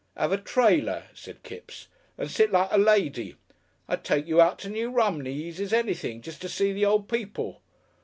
"'Ave a trailer," said Kipps, "and sit like a lady. I'd take you out to New Romney easy as anything jest to see the old people."